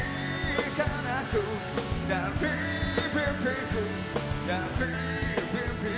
bersama tergugung senangnya